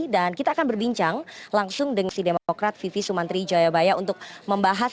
kita akan berbincang langsung dengan si demokrat vivi sumantri jayabaya untuk membahas